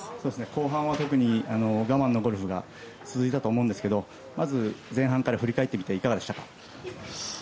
後半は特に我慢のゴルフが続いたと思うんですけどまず、前半から振り返ってみていかがでしたか？